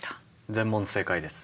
全問正解です。